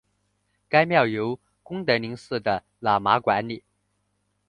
该庙由功德林寺的喇嘛管理。